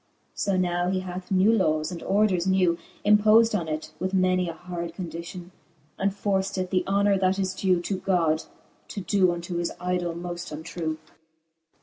So now he hath new lawes and orders new Impofd on it, with many a hard condition, And forced it, the honour, that is dew To God, to doe unto his idole moft untrew, XXVIII.